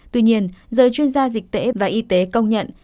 tuy nhiên giới chuyên gia dịch tễ và y tế công nhận